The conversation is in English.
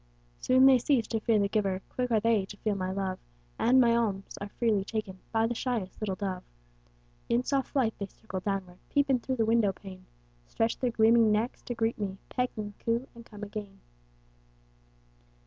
Soon they cease to fear the giver, Quick are they to feel my love, And my alms are freely taken By the shyest little dove. In soft flight, they circle downward, Peep in through the window pane; Stretch their gleaming necks to greet me, Peck and coo, and come again.